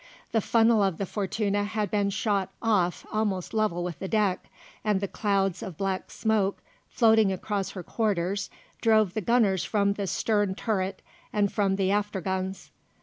The funnel of the Fortuna had been shot off almost level with the deck, and the clouds of black smoke floating across her quarters drove the gunners from the stern turret and from the after guns.